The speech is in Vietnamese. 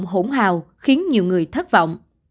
hành động hổn hào khiến nhiều người thất vọng